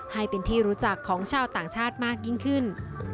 ให้เป็นที่รู้จักของชาวต่างชาติมากยิ่งขึ้น